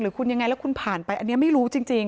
คุณยังไงแล้วคุณผ่านไปอันนี้ไม่รู้จริง